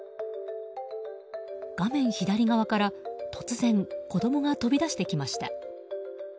画面左側から突然子供が飛び出してきました。